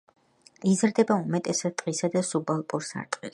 იზრდება უმეტესად ტყისა და სუბალპურ სარტყელში.